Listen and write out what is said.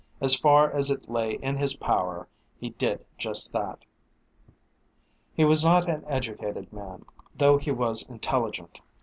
As far as it lay in his power he did just that. He was not an educated man, though he was intelligent.